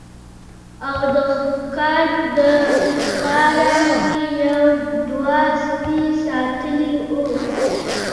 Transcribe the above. او د ښکار د پاره يې يو دوه سپي ساتلي وو